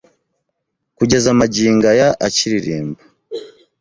kugeza magingo aya akiririmba